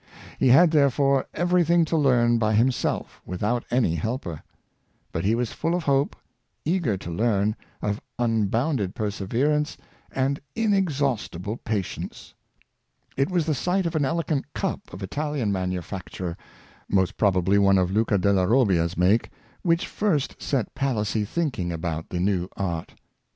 He had, there fore, everything to learn by himself, without any helper. But he was full of hope, eager to learn, of unbounded Derseverance and inexhaustible patience. It was the sight of an elegant cup of Italian manu acture — most probably one of Luca della Robbia's make — which first set Palissy thinking about the new art.